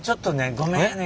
ごめんね。